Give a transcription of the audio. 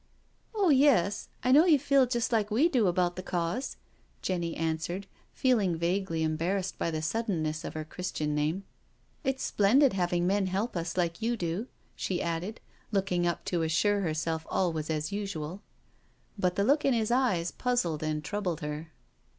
" Oh yes, I know you feel just like we do about the Cause," Jenny answered, feeling vaguely embar rassed by the suddenness of her Christian name. " It's splendid having men help us like you do," she added, looking up to assure herself all was as usual. But the look in his eyes puzzled and troubled her.